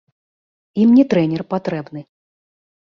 Ім не трэнер патрэбны.